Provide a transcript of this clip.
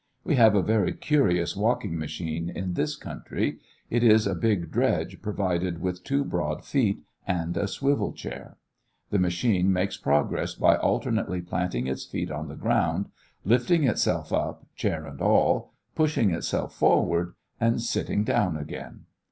We have a very curious walking machine in this country. It is a big dredge provided with two broad feet and a "swivel chair." The machine makes progress by alternately planting its feet on the ground, lifting itself up, chair and all, pushing itself forward, and sitting down again.